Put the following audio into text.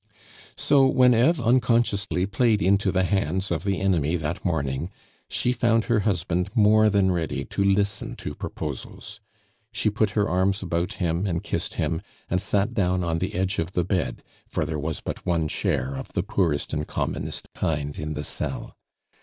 So when Eve unconsciously played into the hands of the enemy that morning, she found her husband more than ready to listen to proposals. She put her arms about him and kissed him, and sat down on the edge of the bed (for there was but one chair of the poorest and commonest kind in the cell).